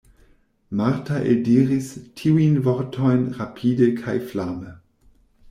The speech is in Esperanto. Marta eldiris tiujn vortojn rapide kaj flame.